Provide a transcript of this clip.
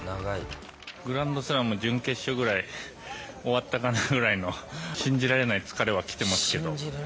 グランドスラム準決勝ぐらい、終わったかなぐらいの信じられない疲れはきてますけど。